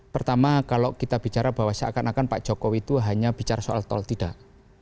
pertama kalau kita bicara bahwa seakan akan pak jokowi itu hanya bicara soal tol tidak